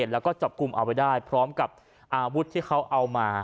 แล้วก็จับกลุ่มเอาไว้ได้พร้อมกับอาวุธที่เขาเอามา